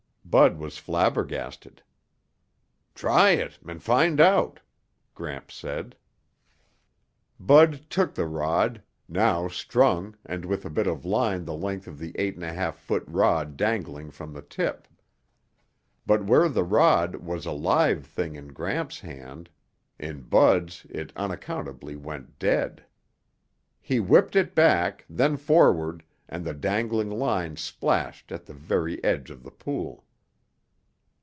Bud was flabbergasted. "Try it and find out," Gramps said. Bud took the rod, now strung and with a bit of line the length of the eight and a half foot rod dangling from the tip. But where the rod was a live thing in Gramps' hands, in Bud's it unaccountably went dead. He whipped it back, then forward, and the dangling line splashed at the very edge of the pool.